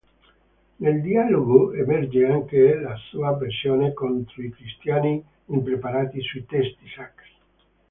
Nel "Dialogo" emerge anche la sua avversione contro i cristiani impreparati sui testi sacri.